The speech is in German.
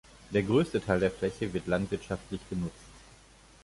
Der größte Teil der Fläche wird landwirtschaftlich genutzt.